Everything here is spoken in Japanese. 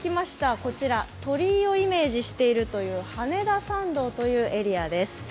こちら鳥居をイメージしているという羽田参道というエリアです。